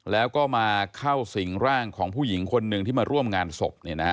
แล้วก็มาเข้าสิ่งร่างของผู้หญิงคนหนึ่งที่มาร่วมงานศพ